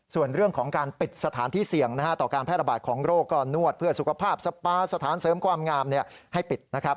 ส่วนเรื่องของการปิดสถานที่เสี่ยงต่อการแพร่ระบาดของโรคก็นวดเพื่อสุขภาพสปาสถานเสริมความงามให้ปิดนะครับ